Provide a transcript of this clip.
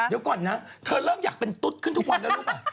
เดี๋ยวก่อนนะเธอเริ่มอยากเป็นตุ๊ดขึ้นทุกวันแล้วลูกป่ะ